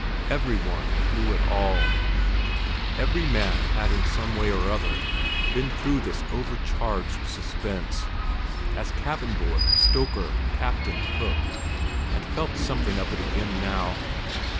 Every one knew it all; every man had in some way or other been through this overcharged suspense—as cabin boy, stoker, captain, cook—and felt something of it again now.